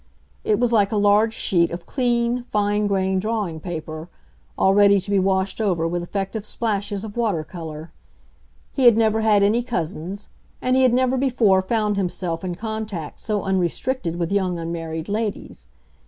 It was like a large sheet of clean, fine grained drawing paper, all ready to be washed over with effective splashes of water color. He had never had any cousins, and he had never before found himself in contact so unrestricted with young unmarried ladies.